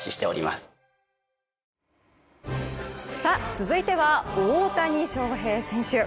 続いては、大谷翔平選手。